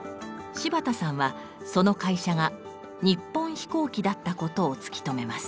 柴田さんはその会社が日本飛行機だったことを突き止めます。